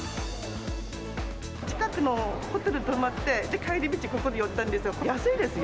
近くのホテル泊まって、帰り道、ここに寄ったんですよ。